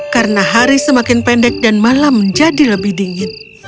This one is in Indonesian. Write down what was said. karena hari semakin pendek dan malam menjadi lebih dingin